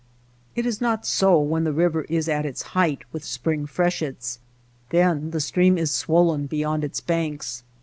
It is not so when the river is at its height with spring freshets. Then the stream is swollen beyond its banks.